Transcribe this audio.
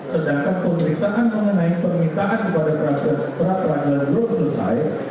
sedangkan pemeriksaan mengenai permintaan kepada pra peradilan belum selesai